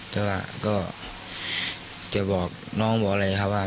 แต่ว่าก็จะบอกน้องบอกอะไรครับว่า